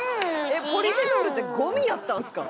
えっポリフェノールってゴミやったんすか？